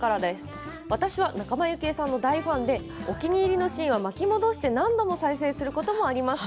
私は仲間由紀恵さんの大ファンでお気に入りのシーンは巻き戻して何度も再生することがあります。